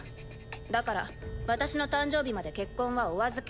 だから私の誕生日まで結婚はお預け。